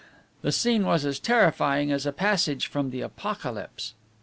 The scene was as terrifying as a passage from the Apocalypse."